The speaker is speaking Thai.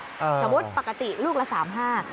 สมมุติปกติลูกละ๓๕บาท